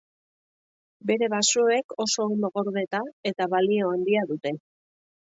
Bere basoek oso ondo gordeta eta balio handia dute.